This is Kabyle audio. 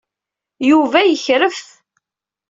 Yuba yekref.